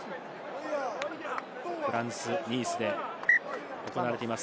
フランス・ニースで行われています。